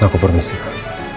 aku permisi pak